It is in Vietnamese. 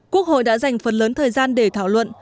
quốc hội đã dành phần lớn thời gian để thảo luận